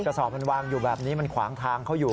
สอบมันวางอยู่แบบนี้มันขวางทางเขาอยู่